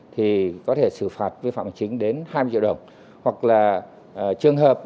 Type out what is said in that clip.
thì có thể xử phạt vi phạm hành chính đến hai mươi triệu đồng hoặc là trường hợp